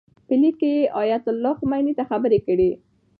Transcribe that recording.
په لیک کې یې ایتالله خمیني ته خبرې کړي.